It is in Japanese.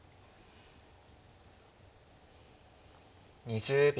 ２０秒。